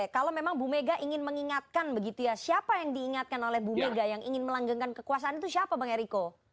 kalau memang bu mega ingin mengingatkan begitu ya siapa yang diingatkan oleh bu mega yang ingin melanggengkan kekuasaan itu siapa bang eriko